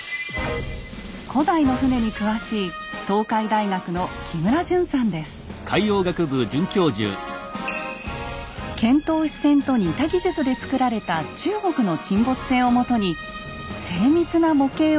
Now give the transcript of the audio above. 古代の船に詳しい遣唐使船と似た技術で造られた中国の沈没船をもとに精密な模型を作り上げました。